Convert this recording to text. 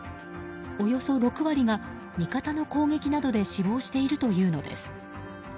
およそ６割が味方の攻撃などで死亡しているというのです。